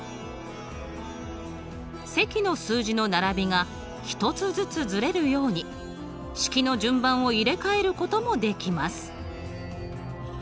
積の数字の並びが１つずつずれるように式の順番を入れ替えることもできます。